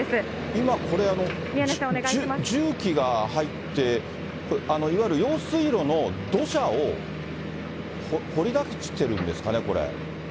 今これ、重機が入って、いわゆる用水路の土砂を掘り出してるんですかね、これ。